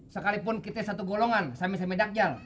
sekalipun kita satu golongan samis samidakjal